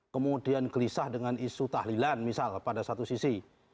kemudian gelisah dengan isu tahlilan misal pada satu sisi